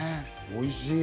おいしい！